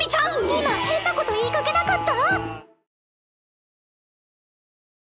今変なこと言いかけなかった？